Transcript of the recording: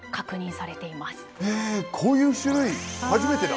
こういう種類初めてだ！